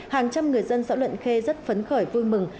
hàng trăm người dân xã luận khê rất phấn khởi vui mừng